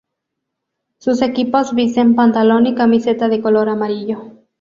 Sus equipos visten pantalón y camiseta de color amarillo.